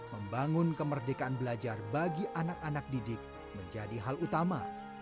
membangun kemerdekaan belajar bagi anak anak didik menjadi hal utama